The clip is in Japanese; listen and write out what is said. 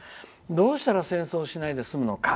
どうしたら戦争しないですむのか。